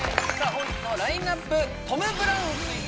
本日のラインナップトム・ブラウン推薦